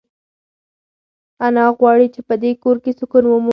انا غواړي چې په دې کور کې سکون ومومي.